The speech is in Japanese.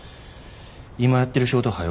今やってる仕事はよ